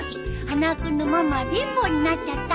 花輪君のママは貧乏になっちゃった。